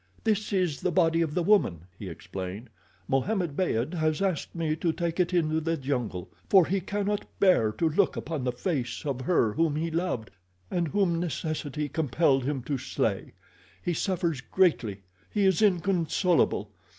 "This is the body of the woman," he explained. "Mohammed Beyd has asked me to take it into the jungle, for he cannot bear to look upon the face of her whom he loved, and whom necessity compelled him to slay. He suffers greatly—he is inconsolable.